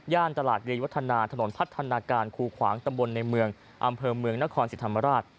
ตลาดเรียนวัฒนาถนนพัฒนาการคูขวางตำบลในเมืองอำเภอเมืองนครสิทธิ์ธรรมราช